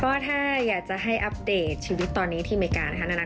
ก็ถ้าอยากจะให้อัปเดตชีวิตตอนนี้ที่อเมริกานะคะ